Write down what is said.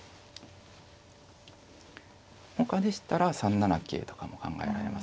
ほかでしたら３七桂とかも考えられますね。